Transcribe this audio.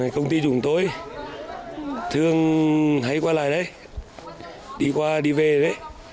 công ty chúng tôi thường hay qua lại đấy đi qua đi về đấy